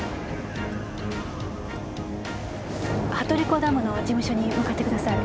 湖ダムの事務所に向かってください。